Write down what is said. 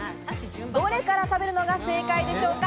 どれから食べるのが正解でしょうか？